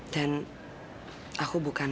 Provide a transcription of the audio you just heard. dan aku bukan